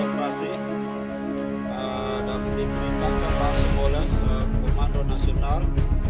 pastikan oleh kumande nasional